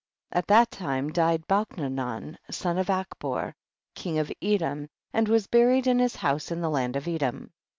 At that time died Balchannan son of Achbor, king of Edom, and was buried in his house in the land of Edom.